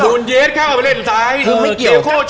ฮะอายเจ็บแล้ว